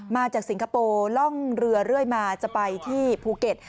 สิงคโปร์ล่องเรือเรื่อยมาจะไปที่ภูเก็ต